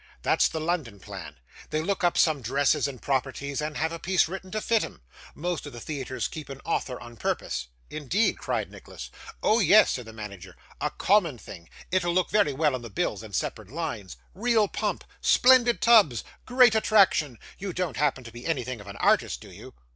That's the London plan. They look up some dresses, and properties, and have a piece written to fit 'em. Most of the theatres keep an author on purpose.' 'Indeed!' cried Nicholas. 'Oh, yes,' said the manager; 'a common thing. It'll look very well in the bills in separate lines Real pump! Splendid tubs! Great attraction! You don't happen to be anything of an artist, do you?